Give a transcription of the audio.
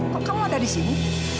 kok kamu ada di sini